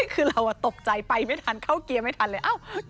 คือเราตกใจไปไม่ทันเข้าเกียร์ไม่ทันเลย